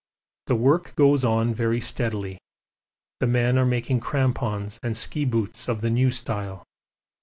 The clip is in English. The work goes on very steadily the men are making crampons and ski boots of the new style.